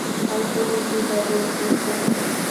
অল্প লোকেই তাঁদের বুঝতে পারে।